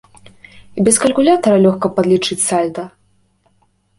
І без калькулятара лёгка падлічыць сальда.